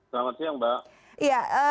selamat siang mbak